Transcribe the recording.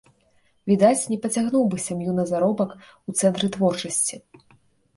Відаць, не пацягнуў бы сям'ю на заробак у цэнтры творчасці.